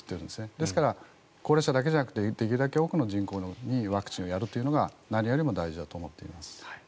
だから、高齢者だけじゃなくてできるだけ多くの人口にワクチンをやるというのが何よりも大事だと思っています。